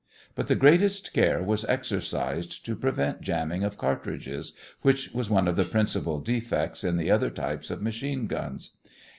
But the greatest care was exercised to prevent jamming of cartridges, which was one of the principal defects in the other types of machine guns.